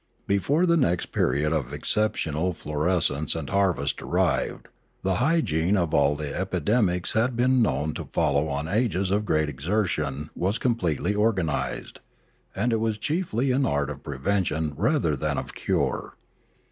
Before the next period of exceptional flor escence and harvest arrived, the hygiene of all the epidemics that had been known to follow on ages of great exertion was completely organised; and it was chiefly an art of prevention rather than of cure.